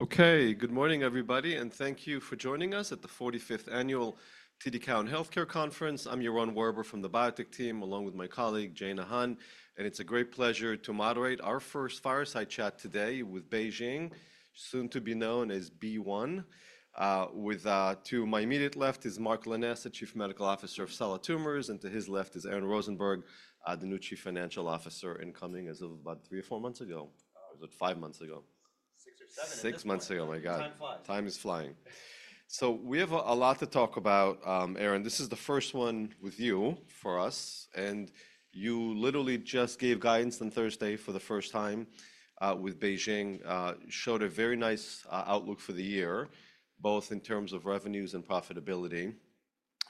Okay, good morning, everybody, and thank you for joining us at the 45th Annual TD Cowen Healthcare Conference. I'm Yaron Werber from the biotech team, along with my colleague Jaena Han, and it's a great pleasure to moderate our first fireside chat today with BeiGene, soon to be known as BeOne. To my immediate left is Mark Lanasa, Chief Medical Officer of Solid Tumors, and to his left is Aaron Rosenberg, the new Chief Financial Officer, incoming as of about three or four months ago. Was it five months ago? Six or seven. Six months ago, my God. Time flies. Time is flying. So we have a lot to talk about, Aaron. This is the first one with you for us, and you literally just gave guidance on Thursday for the first time with BeiGene, showed a very nice outlook for the year, both in terms of revenues and profitability.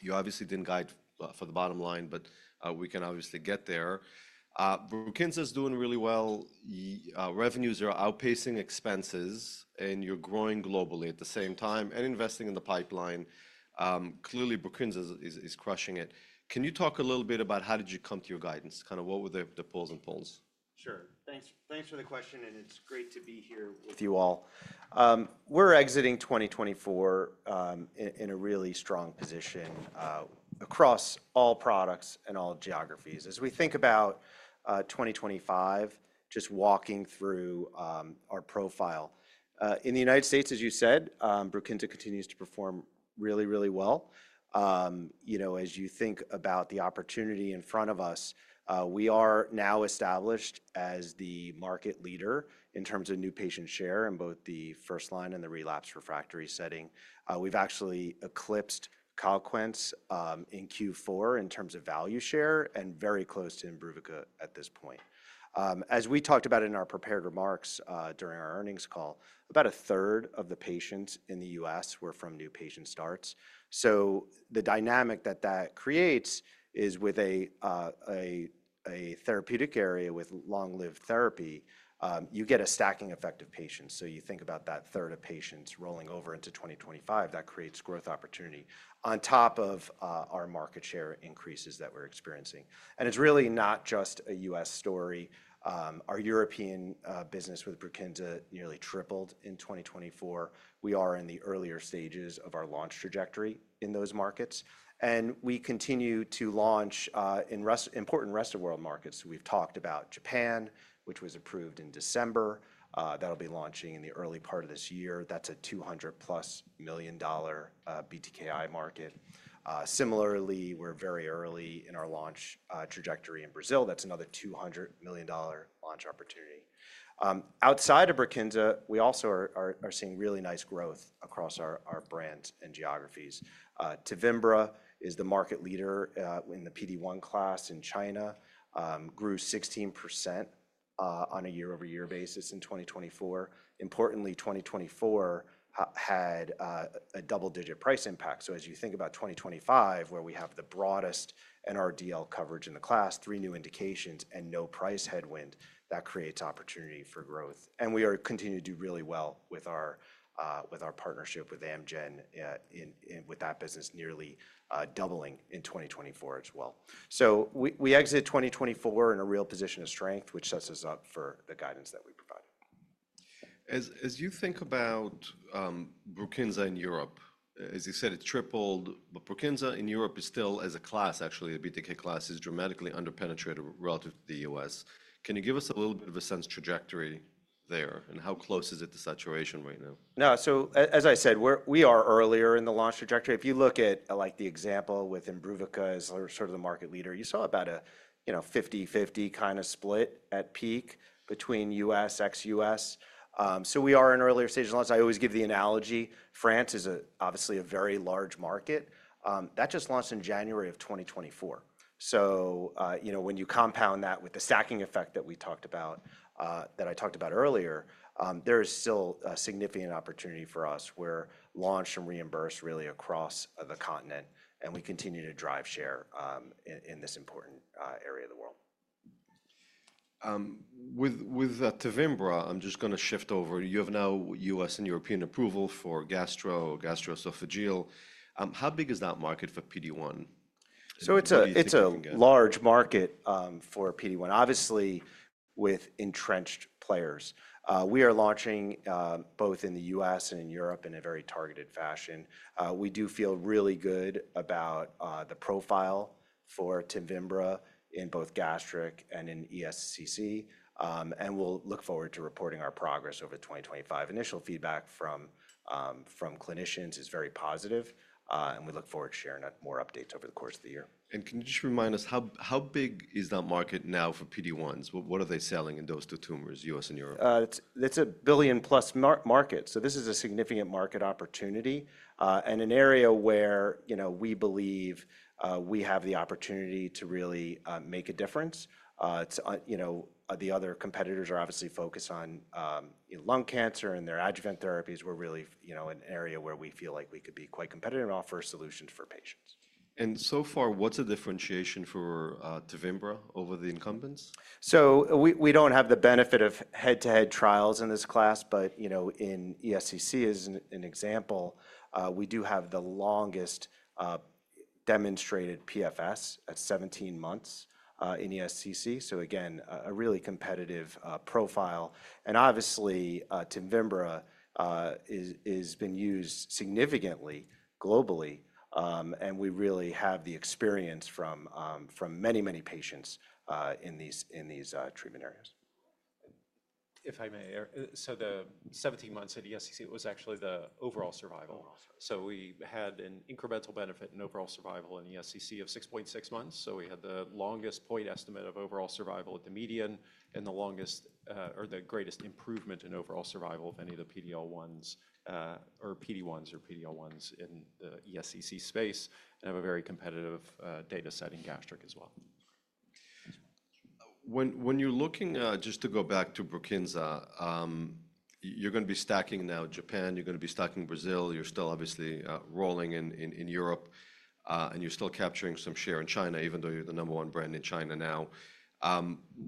You obviously didn't guide for the bottom line, but we can obviously get there. Brukinsa is doing really well. Revenues are outpacing expenses, and you're growing globally at the same time and investing in the pipeline. Clearly, Brukinsa is crushing it. Can you talk a little bit about how did you come to your guidance? Kind of what were the pros and cons? Sure. Thanks for the question, and it's great to be here with you all. We're exiting 2024 in a really strong position across all products and all geographies. As we think about 2025, just walking through our profile, in the United States, as you said, Brukinsa continues to perform really, really well. You know, as you think about the opportunity in front of us, we are now established as the market leader in terms of new patient share in both the first line and the relapse refractory setting. We've actually eclipsed Calquence in Q4 in terms of value share and very close to Imbruvica at this point. As we talked about in our prepared remarks during our earnings call, about a third of the patients in the U.S. were from new patient starts. So the dynamic that that creates is with a therapeutic area with long-lived therapy, you get a stacking effect of patients. So you think about that third of patients rolling over into 2025, that creates growth opportunity on top of our market share increases that we're experiencing. And it's really not just a U.S. story. Our European business with Brukinsa nearly tripled in 2024. We are in the earlier stages of our launch trajectory in those markets, and we continue to launch in important rest of world markets. We've talked about Japan, which was approved in December. That'll be launching in the early part of this year. That's a $200+ million BTKi market. Similarly, we're very early in our launch trajectory in Brazil. That's another $200 million launch opportunity. Outside of Brukinsa, we also are seeing really nice growth across our brands and geographies. Tevimbra is the market leader in the PD-1 class in China, grew 16% on a year-over-year basis in 2024. Importantly, 2024 had a double-digit price impact. So as you think about 2025, where we have the broadest NRDL coverage in the class, three new indications and no price headwind, that creates opportunity for growth. And we are continuing to do really well with our partnership with Amgen and with that business nearly doubling in 2024 as well. So we exit 2024 in a real position of strength, which sets us up for the guidance that we provided. As you think about Brukinsa in Europe, as you said, it's tripled, but Brukinsa in Europe is still, as a class, actually a BTK class, is dramatically underpenetrated relative to the U.S. Can you give us a little bit of a sense trajectory there and how close is it to saturation right now? No. So as I said, we are earlier in the launch trajectory. If you look at like the example with Imbruvica as sort of the market leader, you saw about a 50/50 kind of split at peak between U.S., ex-U.S. So we are in an earlier stage of launch. I always give the analogy. France is obviously a very large market. That just launched in January of 2024. So you know when you compound that with the stacking effect that we talked about, that I talked about earlier, there is still a significant opportunity for us where launch and reimburse really across the continent, and we continue to drive share in this important area of the world. With Tevimbra, I'm just going to shift over. You have now U.S. and European approval for gastro, gastroesophageal. How big is that market for PD-1? It's a large market for PD-1, obviously with entrenched players. We are launching both in the U.S. and in Europe in a very targeted fashion. We do feel really good about the profile for Tevimbra in both gastric and in ESCC, and we'll look forward to reporting our progress over 2025. Initial feedback from clinicians is very positive, and we look forward to sharing more updates over the course of the year. And can you just remind us, how big is that market now for PD-1s? What are they selling in those two tumors, U.S. and Europe? It's a $1 billion+ market. So this is a significant market opportunity and an area where we believe we have the opportunity to really make a difference. The other competitors are obviously focused on lung cancer and their adjuvant therapies. We're really in an area where we feel like we could be quite competitive and offer solutions for patients. And so far, what's the differentiation for Tevimbra over the incumbents? So we don't have the benefit of head-to-head trials in this class, but in ESCC, as an example, we do have the longest demonstrated PFS at 17 months in ESCC. So again, a really competitive profile. And obviously, Tevimbra has been used significantly globally, and we really have the experience from many, many patients in these treatment areas. If I may, the 17 months at ESCC was actually the overall survival. We had an incremental benefit in overall survival in ESCC of 6.6 months. We had the longest point estimate of overall survival at the median and the longest or the greatest improvement in overall survival of any of the PD-1s or PD-L1s in the ESCC space and have a very competitive data set in gastric as well. When you're looking, just to go back to Brukinsa, you're going to be stacking now Japan, you're going to be stacking Brazil, you're still obviously rolling in Europe, and you're still capturing some share in China, even though you're the number one brand in China now.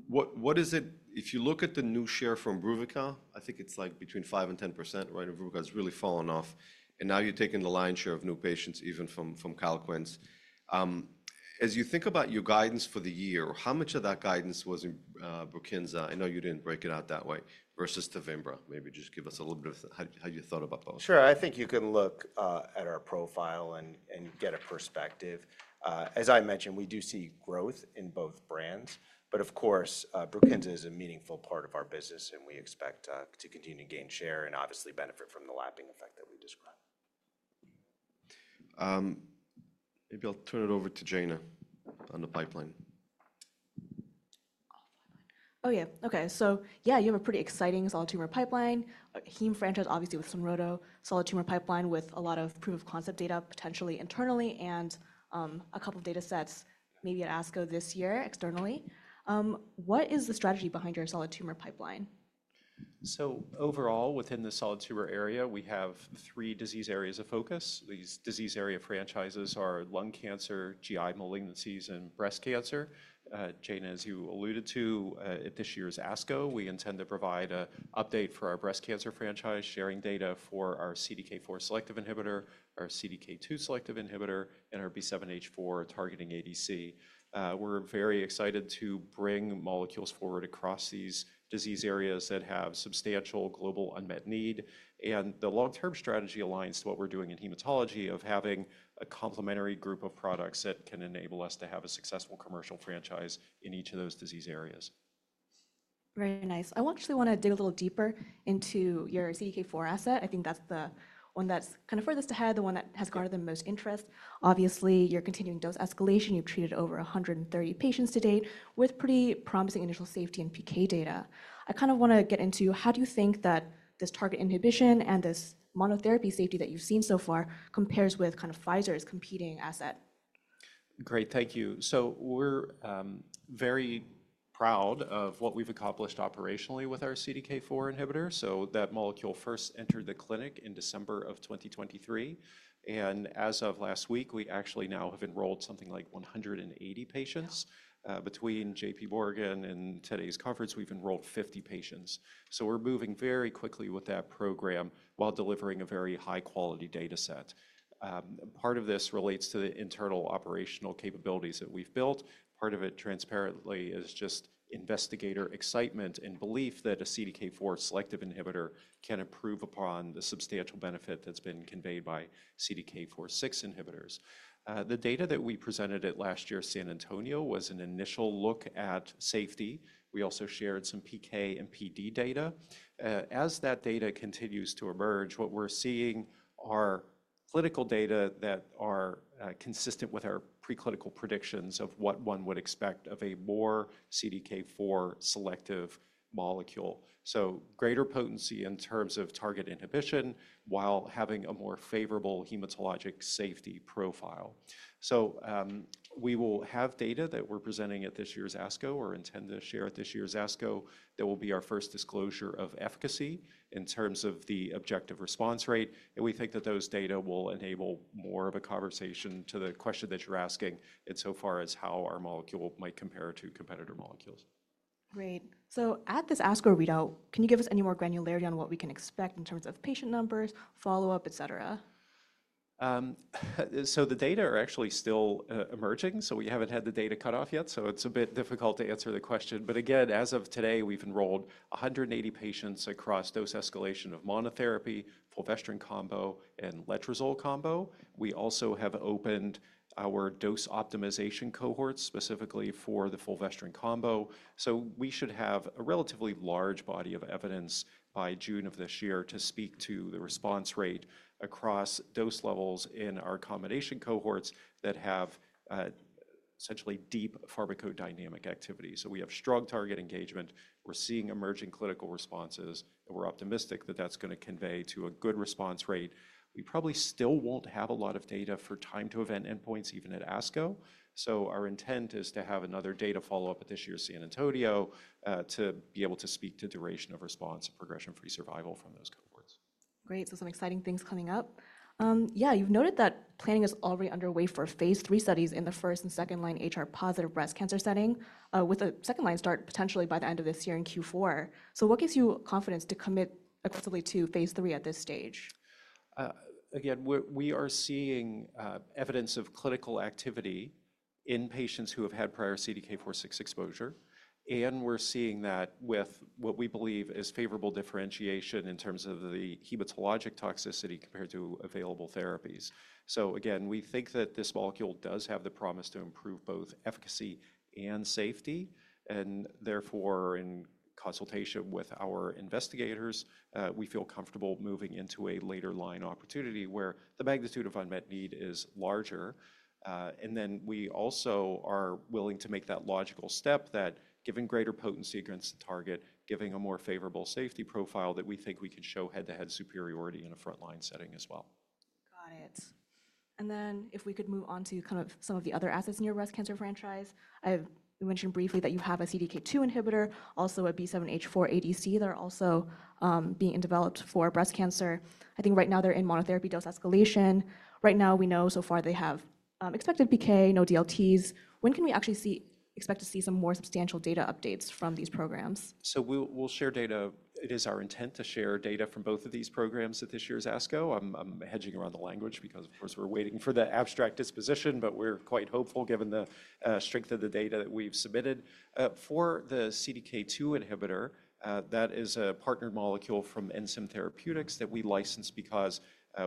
What is it? If you look at the new share from Imbruvica, I think it's like between 5% and 10%, right? Imbruvica has really fallen off, and now you're taking the lion's share of new patients even from Calquence. As you think about your guidance for the year, how much of that guidance was in Brukinsa? I know you didn't break it out that way versus Tevimbra. Maybe just give us a little bit of how you thought about both. Sure. I think you can look at our profile and get a perspective. As I mentioned, we do see growth in both brands, but of course, Brukinsa is a meaningful part of our business, and we expect to continue to gain share and obviously benefit from the lapping effect that we described. Maybe I'll turn it over to Jaena on the pipeline. Oh, yeah. Okay. So yeah, you have a pretty exciting solid tumor pipeline, heme franchise obviously with some R&D solid tumor pipeline with a lot of proof of concept data potentially internally and a couple of data sets maybe at ASCO this year externally. What is the strategy behind your solid tumor pipeline? So overall, within the solid tumor area, we have three disease areas of focus. These disease area franchises are lung cancer, GI malignancies, and breast cancer. Jaena, as you alluded to, this year's ASCO, we intend to provide an update for our breast cancer franchise, sharing data for our CDK4 selective inhibitor, our CDK2 selective inhibitor, and our B7-H4 targeting ADC. We're very excited to bring molecules forward across these disease areas that have substantial global unmet need. And the long-term strategy aligns to what we're doing in hematology of having a complementary group of products that can enable us to have a successful commercial franchise in each of those disease areas. Very nice. I actually want to dig a little deeper into your CDK4 asset. I think that's the one that's kind of furthest ahead, the one that has garnered the most interest. Obviously, you're continuing dose escalation. You've treated over 130 patients to date with pretty promising initial safety and PK data. I kind of want to get into, how do you think that this target inhibition and this monotherapy safety that you've seen so far compares with kind of Pfizer's competing asset? Great. Thank you. So we're very proud of what we've accomplished operationally with our CDK4 inhibitor. So that molecule first entered the clinic in December of 2023. And as of last week, we actually now have enrolled something like 180 patients. Between JPMorgan and today's conference, we've enrolled 50 patients. So we're moving very quickly with that program while delivering a very high-quality data set. Part of this relates to the internal operational capabilities that we've built. Part of it transparently is just investigator excitement and belief that a CDK4 selective inhibitor can improve upon the substantial benefit that's been conveyed by CDK4/6 inhibitors. The data that we presented at last year's San Antonio was an initial look at safety. We also shared some PK and PD data. As that data continues to emerge, what we're seeing are clinical data that are consistent with our preclinical predictions of what one would expect of a more CDK4 selective molecule. So greater potency in terms of target inhibition while having a more favorable hematologic safety profile. So we will have data that we're presenting at this year's ASCO or intend to share at this year's ASCO that will be our first disclosure of efficacy in terms of the objective response rate. And we think that those data will enable more of a conversation to the question that you're asking in so far as how our molecule might compare to competitor molecules. Great. So at this ASCO readout, can you give us any more granularity on what we can expect in terms of patient numbers, follow-up, et cetera? The data are actually still emerging. We haven't had the data cut off yet. It's a bit difficult to answer the question. But again, as of today, we've enrolled 180 patients across dose escalation of monotherapy, fulvestrant combo, and letrozole combo. We also have opened our dose optimization cohorts specifically for the fulvestrant combo. We should have a relatively large body of evidence by June of this year to speak to the response rate across dose levels in our combination cohorts that have essentially deep pharmacodynamic activity. We have strong target engagement. We're seeing emerging clinical responses, and we're optimistic that that's going to convey to a good response rate. We probably still won't have a lot of data for time to event endpoints even at ASCO. So our intent is to have another data follow-up at this year's San Antonio to be able to speak to duration of response and progression-free survival from those cohorts. Great. So some exciting things coming up. Yeah, you've noted that planning is already underway for phase III studies in the first and second-line HR positive breast cancer setting with a second-line start potentially by the end of this year in Q4. So what gives you confidence to commit aggressively to phase III at this stage? Again, we are seeing evidence of clinical activity in patients who have had prior CDK4/6 exposure, and we're seeing that with what we believe is favorable differentiation in terms of the hematologic toxicity compared to available therapies, so again, we think that this molecule does have the promise to improve both efficacy and safety, and therefore, in consultation with our investigators, we feel comfortable moving into a later line opportunity where the magnitude of unmet need is larger, and then we also are willing to make that logical step that giving greater potency against the target, giving a more favorable safety profile that we think we can show head-to-head superiority in a front-line setting as well. Got it. And then if we could move on to kind of some of the other assets in your breast cancer franchise, you mentioned briefly that you have a CDK2 inhibitor, also a B7-H4 ADC that are also being developed for breast cancer. I think right now they're in monotherapy dose escalation. Right now we know so far they have expected PK, no DLTs. When can we actually expect to see some more substantial data updates from these programs? So we'll share data. It is our intent to share data from both of these programs at this year's ASCO. I'm hedging around the language because, of course, we're waiting for the abstract disposition, but we're quite hopeful given the strength of the data that we've submitted. For the CDK2 inhibitor, that is a partner molecule from Ensem Therapeutics that we licensed because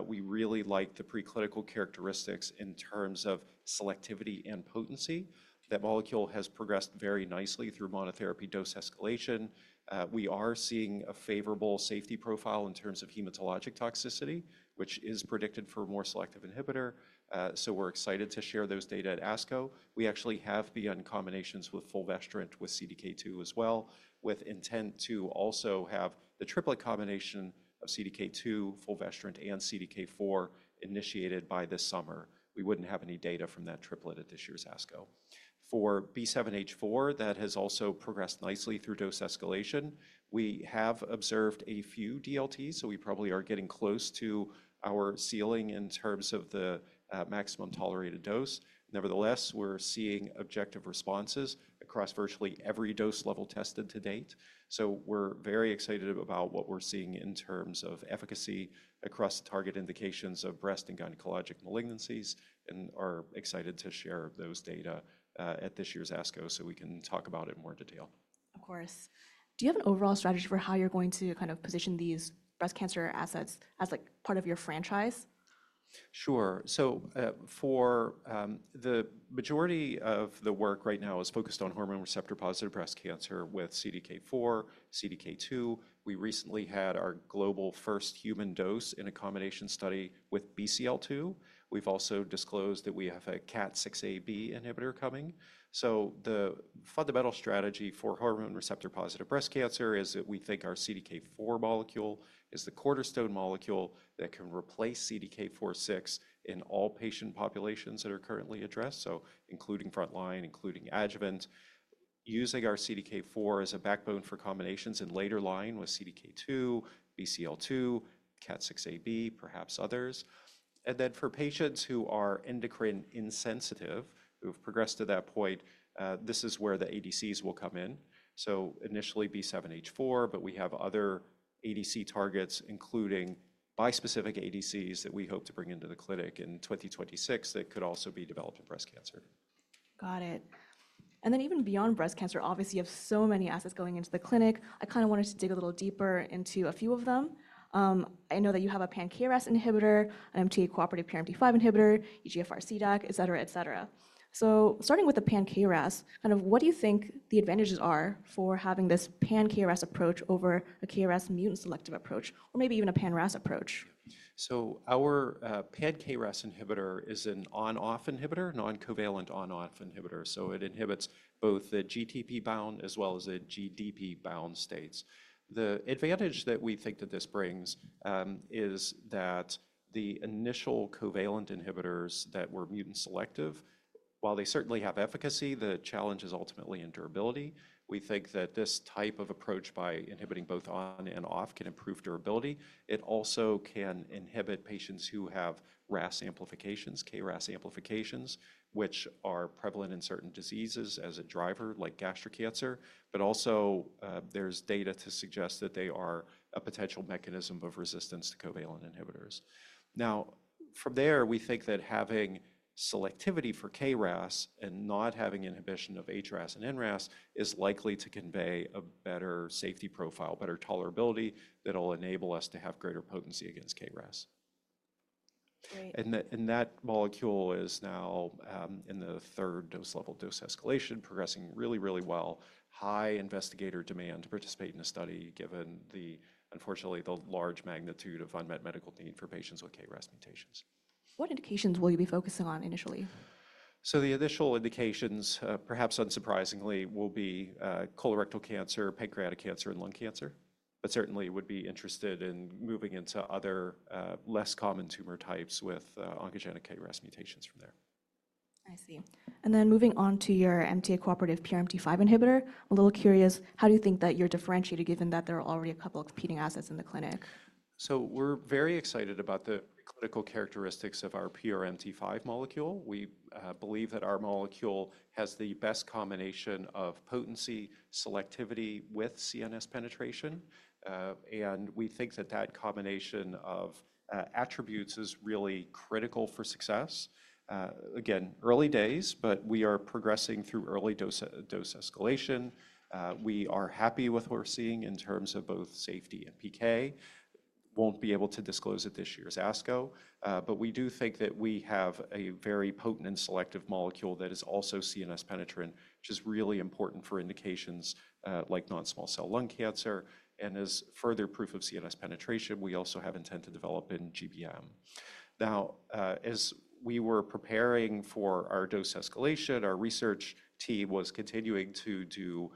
we really like the preclinical characteristics in terms of selectivity and potency. That molecule has progressed very nicely through monotherapy dose escalation. We are seeing a favorable safety profile in terms of hematologic toxicity, which is predicted for a more selective inhibitor. So we're excited to share those data at ASCO. We actually have begun combinations with fulvestrant with CDK2 as well, with intent to also have the triplet combination of CDK2, fulvestrant, and CDK4 initiated by this summer. We wouldn't have any data from that triplet at this year's ASCO. For B7-H4, that has also progressed nicely through dose escalation. We have observed a few DLTs, so we probably are getting close to our ceiling in terms of the maximum tolerated dose. Nevertheless, we're seeing objective responses across virtually every dose level tested to date. We're very excited about what we're seeing in terms of efficacy across target indications of breast and gynecologic malignancies and are excited to share those data at this year's ASCO so we can talk about it in more detail. Of course. Do you have an overall strategy for how you're going to kind of position these breast cancer assets as part of your franchise? Sure. So for the majority of the work right now is focused on hormone receptor-positive breast cancer with CDK4, CDK2. We recently had our global first human dose in a combination study with BCL2. We've also disclosed that we have a KAT6A/B inhibitor coming, so the fundamental strategy for hormone receptor-positive breast cancer is that we think our CDK4 molecule is the cornerstone molecule that can replace CDK4/6 in all patient populations that are currently addressed, so including front-line, including adjuvant, using our CDK4 as a backbone for combinations in later line with CDK2, BCL2, KAT6A/B, perhaps others, and then for patients who are endocrine insensitive, who have progressed to that point, this is where the ADCs will come in, so initially B7-H4, but we have other ADC targets, including bispecific ADCs that we hope to bring into the clinic in 2026 that could also be developed in breast cancer. Got it. And then even beyond breast cancer, obviously you have so many assets going into the clinic. I kind of wanted to dig a little deeper into a few of them. I know that you have a Pan-KRAS inhibitor, an MTA cooperative PRMT5 inhibitor, EGFR-CDAC, et cetera, et cetera. So starting with the Pan-KRAS, kind of what do you think the advantages are for having this Pan-KRAS approach over a KRAS mutant selective approach, or maybe even a pan-RAS approach? So our Pan-KRAS inhibitor is an on-off inhibitor, non-covalent on-off inhibitor. So it inhibits both the GTP bound as well as the GDP bound states. The advantage that we think that this brings is that the initial covalent inhibitors that were mutant selective, while they certainly have efficacy, the challenge is ultimately in durability. We think that this type of approach by inhibiting both on and off can improve durability. It also can inhibit patients who have RAS amplifications, KRAS amplifications, which are prevalent in certain diseases as a driver like gastric cancer, but also there's data to suggest that they are a potential mechanism of resistance to covalent inhibitors. Now, from there, we think that having selectivity for KRAS and not having inhibition of HRAS and NRAS is likely to convey a better safety profile, better tolerability that will enable us to have greater potency against KRAS. That molecule is now in the third dose level dose escalation, progressing really, really well. High investigator demand to participate in a study given unfortunately the large magnitude of unmet medical need for patients with KRAS mutations. What indications will you be focusing on initially? The initial indications, perhaps unsurprisingly, will be colorectal cancer, pancreatic cancer, and lung cancer, but certainly would be interested in moving into other less common tumor types with oncogenic KRAS mutations from there. I see. And then moving on to your MTA cooperative PRMT5 inhibitor, I'm a little curious, how do you think that you're differentiated given that there are already a couple of competing assets in the clinic? So we're very excited about the preclinical characteristics of our PRMT5 molecule. We believe that our molecule has the best combination of potency, selectivity, with CNS penetration. And we think that that combination of attributes is really critical for success. Again, early days, but we are progressing through early dose escalation. We are happy with what we're seeing in terms of both safety and PK. Won't be able to disclose at this year's ASCO, but we do think that we have a very potent and selective molecule that is also CNS penetrant, which is really important for indications like non-small cell lung cancer. And as further proof of CNS penetration, we also have intent to develop in GBM. Now, as we were preparing for our dose escalation, our research team was continuing to do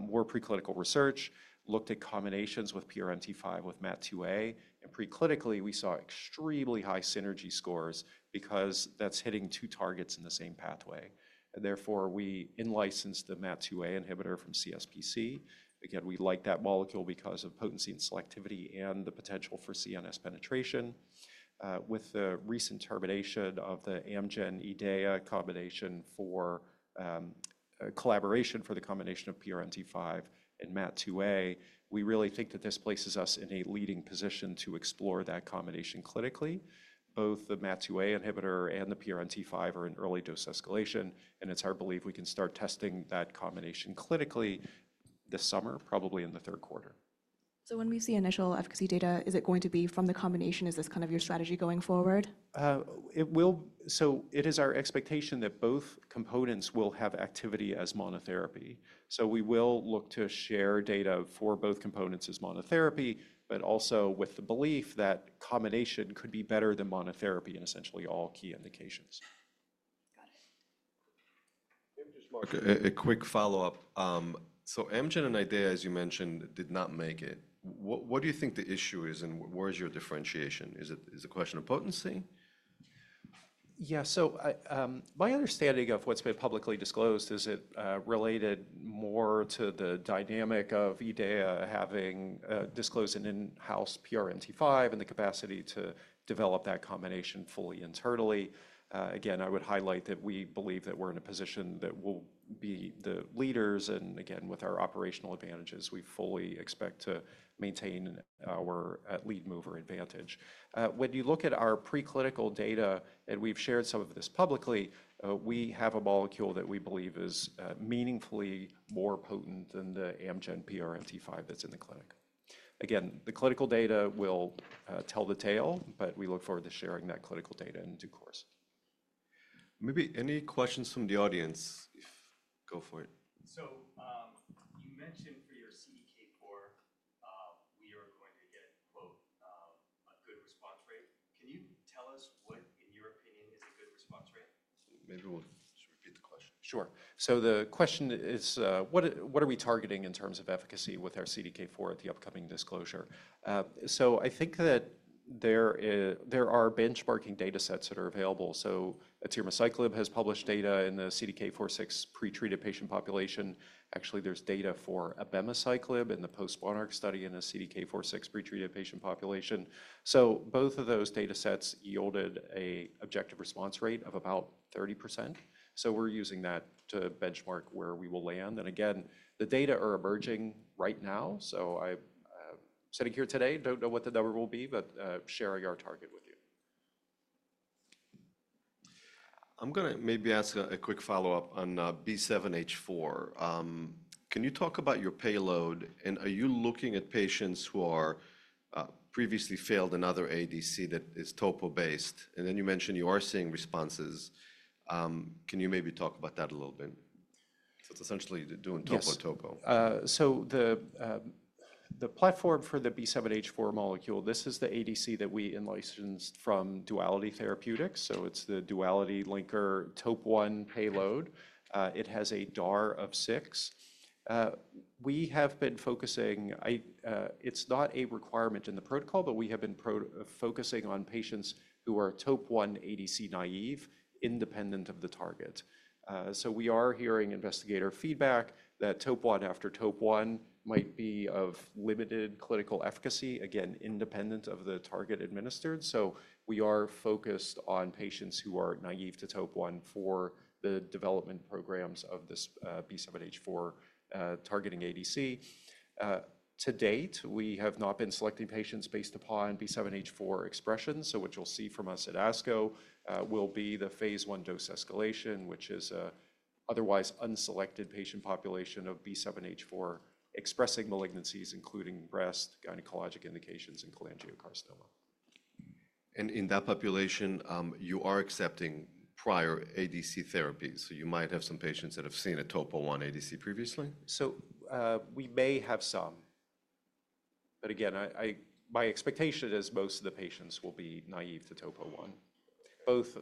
more preclinical research, looked at combinations with PRMT5 with MAT2A, and preclinically we saw extremely high synergy scores because that's hitting two targets in the same pathway. And therefore, we in-licensed the MAT2A inhibitor from CSPC. Again, we like that molecule because of potency and selectivity and the potential for CNS penetration. With the recent termination of the Amgen IDEAYA collaboration for the combination of PRMT5 and MAT2A, we really think that this places us in a leading position to explore that combination clinically. Both the MAT2A inhibitor and the PRMT5 are in early dose escalation, and it's our belief we can start testing that combination clinically this summer, probably in the third quarter. So when we see initial efficacy data, is it going to be from the combination? Is this kind of your strategy going forward? So it is our expectation that both components will have activity as monotherapy. So we will look to share data for both components as monotherapy, but also with the belief that combination could be better than monotherapy in essentially all key indications. Got it. A quick follow-up. So Amgen and IDEAYA, as you mentioned, did not make it. What do you think the issue is and where is your differentiation? Is it a question of potency? Yeah, so my understanding of what's been publicly disclosed is it related more to the dynamic of IDEAYA having disclosed an in-house PRMT5 and the capacity to develop that combination fully internally. Again, I would highlight that we believe that we're in a position that we'll be the leaders and again, with our operational advantages, we fully expect to maintain our lead mover advantage. When you look at our preclinical data, and we've shared some of this publicly, we have a molecule that we believe is meaningfully more potent than the Amgen PRMT5 that's in the clinic. Again, the clinical data will tell the tale, but we look forward to sharing that clinical data in due course. Maybe any questions from the audience? Go for it. So you mentioned for your CDK4, we are going to get "a good response rate." Can you tell us what, in your opinion, is a good response rate? Maybe we'll just repeat the question. Sure. So the question is, what are we targeting in terms of efficacy with our CDK4 at the upcoming disclosure? So I think that there are benchmarking data sets that are available. So abemaciclib has published data in the CDK4/6 pretreated patient population. Actually, there's data for abemaciclib in the postMONARCH study in the CDK4/6 pretreated patient population. So both of those data sets yielded an objective response rate of about 30%. So we're using that to benchmark where we will land. And again, the data are emerging right now. So I'm sitting here today, don't know what the number will be, but sharing our target with you. I'm going to maybe ask a quick follow-up on B7-H4. Can you talk about your payload and are you looking at patients who are previously failed in other ADC that is topo based? And then you mentioned you are seeing responses. Can you maybe talk about that a little bit? So it's essentially doing topo-topo. The platform for the B7-H4 molecule, this is the ADC that we in-licensed from Duality Therapeutics. It's the Duality Linker Topo I payload. It has a DAR of six. We have been focusing, it's not a requirement in the protocol, but we have been focusing on patients who are Topo I ADC naive, independent of the target. We are hearing investigator feedback that Topo I after Topo I might be of limited clinical efficacy, again, independent of the target administered. We are focused on patients who are naive to Topo I for the development programs of this B7-H4 targeting ADC. To date, we have not been selecting patients based upon B7-H4 expression. What you'll see from us at ASCO will be the phase I dose escalation, which is an otherwise unselected patient population of B7-H4 expressing malignancies, including breast, gynecologic indications, and cholangiocarcinoma. And in that population, you are accepting prior ADC therapies. So you might have some patients that have seen a Topo I ADC previously? We may have some. Again, my expectation is most of the patients will be naive to Topo I. Both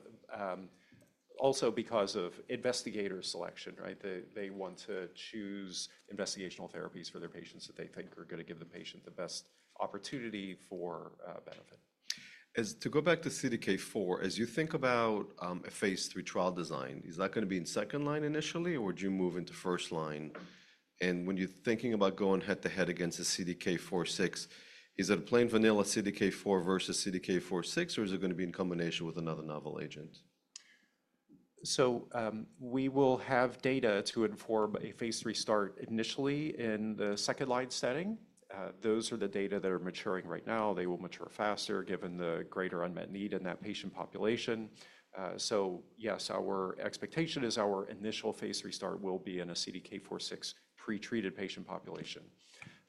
also because of investigator selection, right? They want to choose investigational therapies for their patients that they think are going to give the patient the best opportunity for benefit. To go back to CDK4, as you think about a phase III trial design, is that going to be in second line initially, or would you move into first line? And when you're thinking about going head to head against a CDK4/6, is it a plain vanilla CDK4 versus CDK4/6, or is it going to be in combination with another novel agent? We will have data to inform a phase III start initially in the second line setting. Those are the data that are maturing right now. They will mature faster given the greater unmet need in that patient population. So yes, our expectation is our initial phase III start will be in a CDK4/6 pretreated patient population.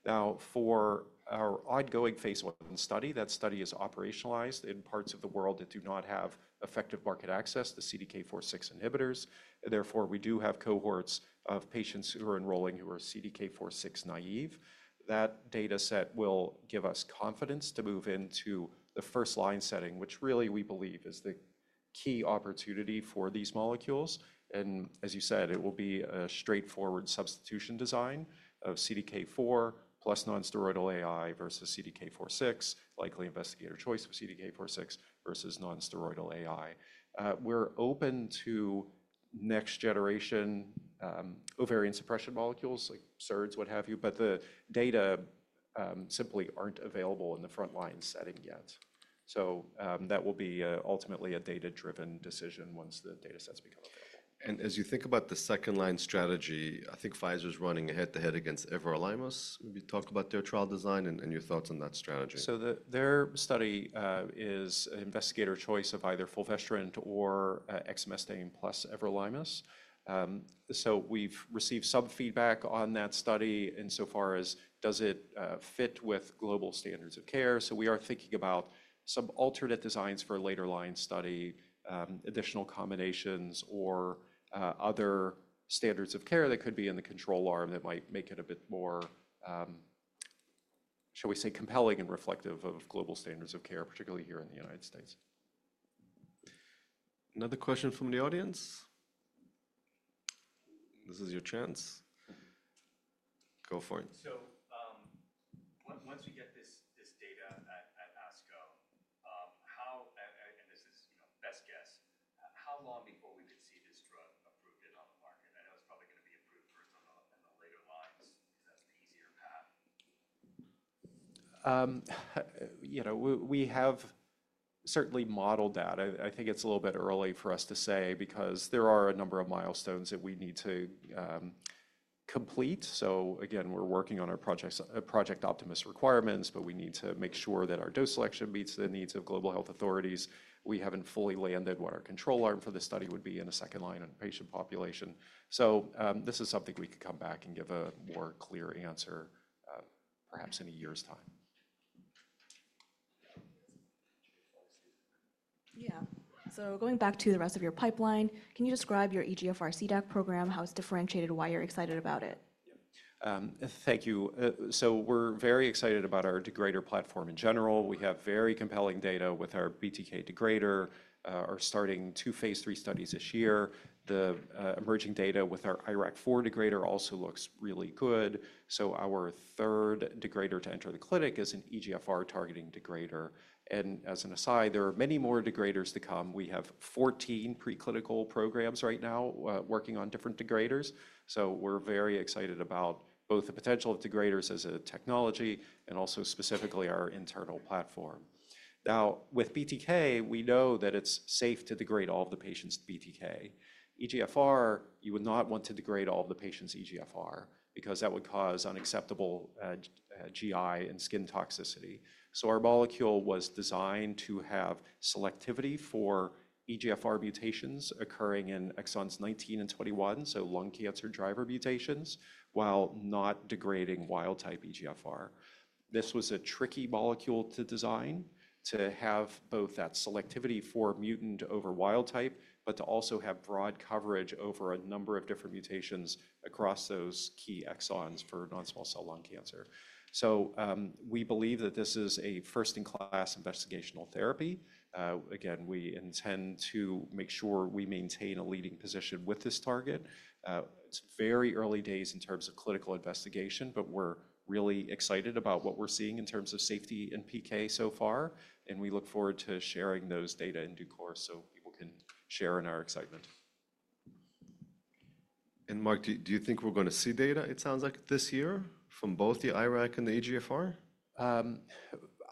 Now, for our ongoing phase I study, that study is operationalized in parts of the world that do not have effective market access to CDK4/6 inhibitors. Therefore, we do have cohorts of patients who are enrolling who are CDK4/6 naive. That data set will give us confidence to move into the first line setting, which really we believe is the key opportunity for these molecules. As you said, it will be a straightforward substitution design of CDK4 plus non-steroidal AI versus CDK4/6, likely investigator choice of CDK4/6 versus non-steroidal AI. We're open to next generation ovarian suppression molecules like SERDs, what have you, but the data simply aren't available in the front line setting yet, so that will be ultimately a data-driven decision once the data sets become available. As you think about the second line strategy, I think Pfizer is running head to head against everolimus. Maybe talk about their trial design and your thoughts on that strategy. Their study is an investigator choice of either fulvestrant or exemestane plus everolimus. We've received some feedback on that study insofar as does it fit with global standards of care. We are thinking about some alternate designs for a later line study, additional combinations, or other standards of care that could be in the control arm that might make it a bit more, shall we say, compelling and reflective of global standards of care, particularly here in the United States. Another question from the audience. This is your chance. Go for it. So once we get this data at ASCO, and this is best guess, how long before we could see this drug approved and on the market? I know it's probably going to be approved first on the later lines. Is that the easier path? You know, we have certainly modeled that. I think it's a little bit early for us to say because there are a number of milestones that we need to complete. So again, we're working on our Project Optimist requirements, but we need to make sure that our dose selection meets the needs of global health authorities. We haven't fully landed what our control arm for the study would be in a second line in the patient population. So this is something we could come back and give a more clear answer perhaps in a year's time. Yeah. Going back to the rest of your pipeline, can you describe your EGFR-CDAC program, how it's differentiated, why you're excited about it? Thank you. So we're very excited about our degrader platform in general. We have very compelling data with our BTK degrader. We're starting two phase III studies this year. The emerging data with our IRAK4 degrader also looks really good. So our third degrader to enter the clinic is an EGFR targeting degrader. And as an aside, there are many more degraders to come. We have 14 preclinical programs right now working on different degraders. So we're very excited about both the potential of degraders as a technology and also specifically our internal platform. Now, with BTK, we know that it's safe to degrade all of the patients' BTK. EGFR, you would not want to degrade all of the patients' EGFR because that would cause unacceptable GI and skin toxicity. Our molecule was designed to have selectivity for EGFR mutations occurring in exons 19 and 21, so lung cancer driver mutations, while not degrading wild-type EGFR. This was a tricky molecule to design to have both that selectivity for mutant over wild-type, but to also have broad coverage over a number of different mutations across those key exons for non-small cell lung cancer. We believe that this is a first-in-class investigational therapy. Again, we intend to make sure we maintain a leading position with this target. It's very early days in terms of clinical investigation, but we're really excited about what we're seeing in terms of safety and PK so far. We look forward to sharing those data in due course so people can share in our excitement. Mark, do you think we're going to see data, it sounds like, this year from both the IRAK4 and the EGFR?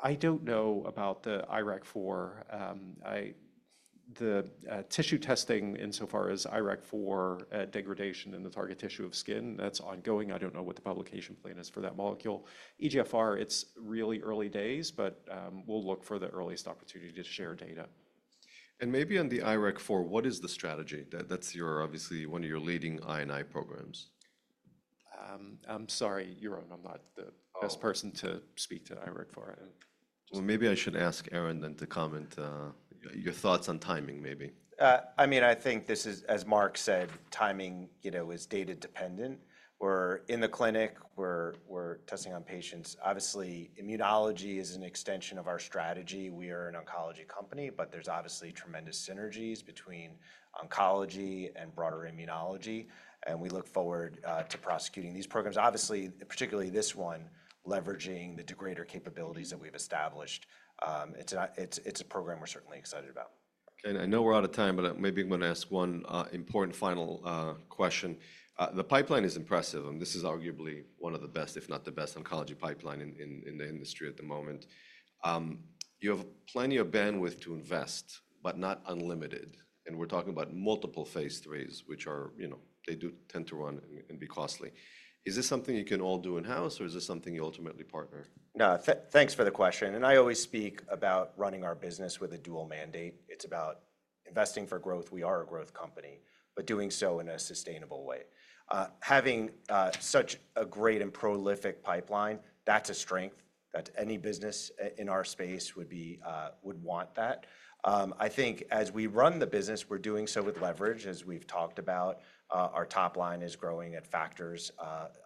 I don't know about the IRAK4. The tissue testing insofar as IRAK4 degradation in the target tissue of skin, that's ongoing. I don't know what the publication plan is for that molecule. EGFR, it's really early days, but we'll look for the earliest opportunity to share data. Maybe on the IRAK4, what is the strategy? That's obviously one of your leading INI programs. I'm sorry, you're on. I'm not the best person to speak to IRAK4. Maybe I should ask Aaron then to comment your thoughts on timing, maybe. I mean, I think this is, as Mark said, timing is data dependent. We're in the clinic. We're testing on patients. Obviously, immunology is an extension of our strategy. We are an oncology company, but there's obviously tremendous synergies between oncology and broader immunology. And we look forward to prosecuting these programs. Obviously, particularly this one, leveraging the degrader capabilities that we've established. It's a program we're certainly excited about. Okay. I know we're out of time, but maybe I'm going to ask one important final question. The pipeline is impressive. And this is arguably one of the best, if not the best oncology pipeline in the industry at the moment. You have plenty of bandwidth to invest, but not unlimited. And we're talking about multiple phase IIIs, which they do tend to run and be costly. Is this something you can all do in-house, or is this something you ultimately partner? No, thanks for the question, and I always speak about running our business with a dual mandate. It's about investing for growth. We are a growth company, but doing so in a sustainable way. Having such a great and prolific pipeline, that's a strength that any business in our space would want that. I think as we run the business, we're doing so with leverage, as we've talked about. Our top line is growing at factors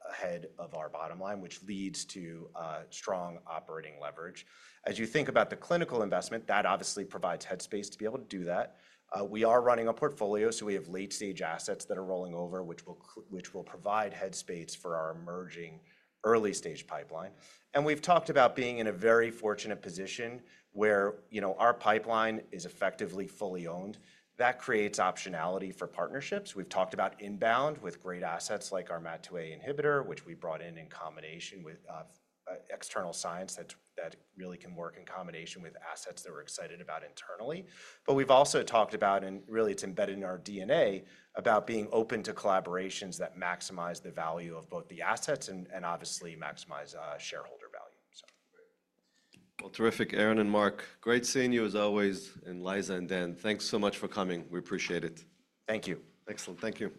ahead of our bottom line, which leads to strong operating leverage. As you think about the clinical investment, that obviously provides headspace to be able to do that. We are running a portfolio, so we have late-stage assets that are rolling over, which will provide headspace for our emerging early-stage pipeline, and we've talked about being in a very fortunate position where our pipeline is effectively fully owned. That creates optionality for partnerships. We've talked about inbound with great assets like our MAT2A inhibitor, which we brought in in combination with external science that really can work in combination with assets that we're excited about internally. But we've also talked about, and really it's embedded in our DNA, about being open to collaborations that maximize the value of both the assets and obviously maximize shareholder value. Terrific. Aaron and Mark, great seeing you as always with Liza and Dan. Thanks so much for coming. We appreciate it. Thank you. Excellent. Thank you.